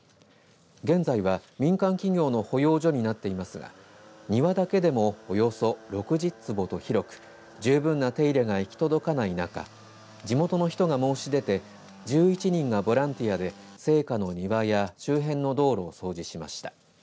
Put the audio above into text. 現在は民間企業の保養所になっていますが庭だけでもおよそ６０坪と広く十分な手入れが行き届かない中地元の人が申し出て１１人がボランティアで生家の庭や周辺の道路を掃除しました。